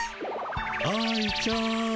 愛ちゃん。